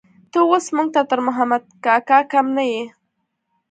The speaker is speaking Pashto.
ته اوس موږ ته تر محمد کاکا کم نه يې.